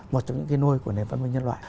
một trong những cái nôi của nền văn minh nhân loại